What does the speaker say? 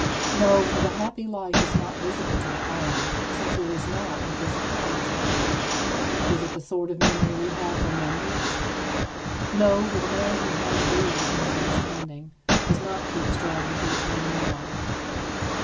No, for the happy life is not visible to the eye, since it is not a physical object. Is it the sort of memory we have for numbers? No, for the man who has these in his understanding does not keep striving to attain more.